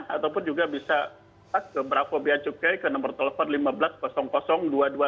ataupun juga bisa ke bravo beacukai ke nomor telepon lima belas dua ratus dua puluh dua